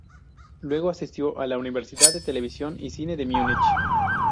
Luego asistió a la Universidad de Televisión y Cine de Múnich.